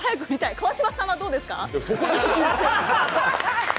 川島さんはどうですか？